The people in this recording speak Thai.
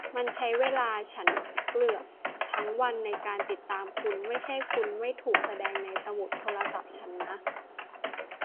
มันใช้เวลาฉันเกือบทั้งวันในการติดตามคุณ ไม่ใช่คุณไม่ถูกแสดงในสมุดโทรศัพท์ฉันนะ